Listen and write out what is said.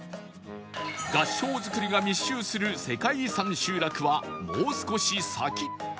合掌造りが密集する世界遺産集落はもう少し先